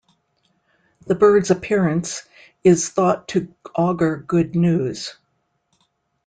The bird's appearance is thought to augur good news.